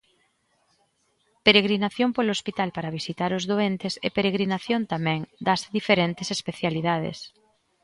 Peregrinación polo hospital para visitar os doentes e peregrinación tamén das diferentes especialidades.